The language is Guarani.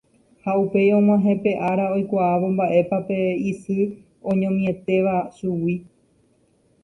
ha upéi og̃uahẽ pe ára oikuaávo mba'épa pe isy oñomietéva chugui.